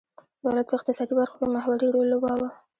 دولت په اقتصادي برخو کې محوري رول لوباوه.